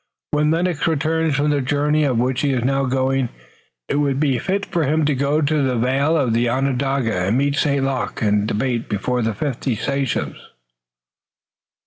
"When Lennox returns from the journey on which he is now going it would be fit for him to go to the vale of Onondaga and meet St. Luc in debate before the fifty sachems."